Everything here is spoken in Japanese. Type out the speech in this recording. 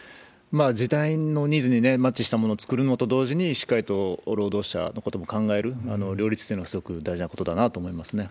時代のニーズにマッチしたものを作るのと同時に、しっかりと労働者のことも考える、両立してるというのはすごく大事なことだなと思いますね。